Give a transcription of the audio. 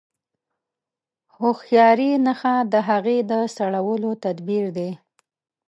د هوښياري نښه د هغې د سړولو تدبير دی.